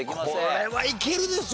これはいけるでしょ。